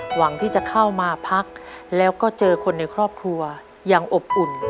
หวังที่จะเข้ามาพักแล้วก็เจอคนในครอบครัวอย่างอบอุ่น